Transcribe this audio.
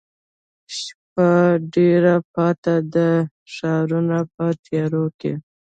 شپه ډېره پاته ده ښارونه په تیاروکې،